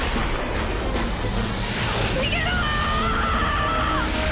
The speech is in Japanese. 逃げろ！